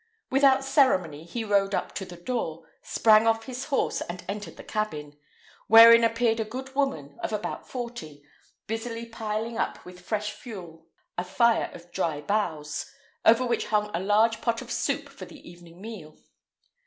Without ceremony he rode up to the door, sprang off his horse, and entered the cabin, wherein appeared a good woman of about forty, busily piling up with fresh fuel a fire of dry boughs, over which hung a large pot of soup for the evening meal.